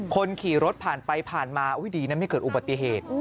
คนขี่รถผ่านไปผ่านมาอุ้ยดีนะไม่เกิดอุบัติเหตุ